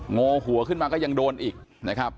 โงหัวขึ้นมาก็ยังโดนอีกนะครับ